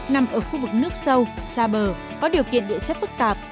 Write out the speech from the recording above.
nằm ở khu vực nước sâu xa bờ có điều kiện địa chất phức tạp